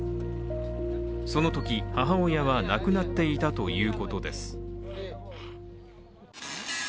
そのとき、母親は亡くなっていたということです。